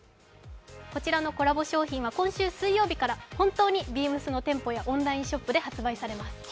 こちらのコラボ商品は今週水曜日から本当にＢＥＡＭＳの店舗やオンラインショップで発売されます。